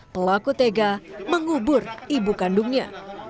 pelaku tega mengubur ibu kandungnya